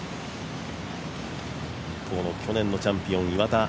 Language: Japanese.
一方の去年のチャンピオン・岩田。